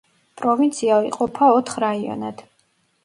პროვინცია იყოფა ოთხ რაიონად.